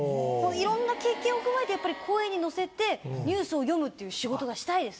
いろんな経験を踏まえてやっぱり声に乗せてニュースを読むっていう仕事がしたいです。